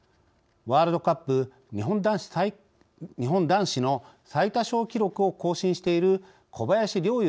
ワールドカップ日本男子の最多勝記録を更新している小林陵